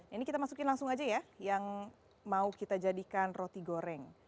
ini kita masukin langsung aja ya yang mau kita jadikan roti goreng